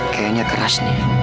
kayaknya keras nih